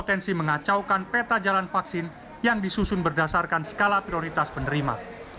potensi mengacaukan peta jalan vaksin yang disusun berdasarkan skala prioritas penerima